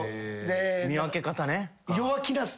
見分け方ね。